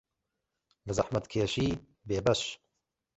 لە زەحمەتکێشی بێبەش